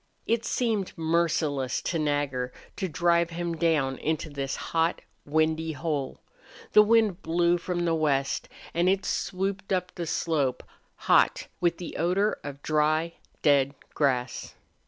It seemed merciless to Nagger to drive him down into this hot, windy hole. The wind blew from the west, and it swooped up the slope, hot, with the odor of dry, dead grass.